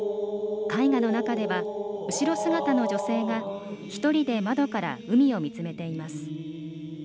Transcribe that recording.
絵画の中では後ろ姿の女性が１人で窓から海を見つめています。